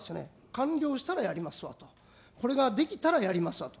完了したらやりますわと、これができたらやりますわと。